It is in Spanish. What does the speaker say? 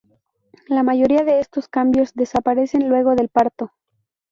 La mayoría de estos cambios desaparecen luego del parto.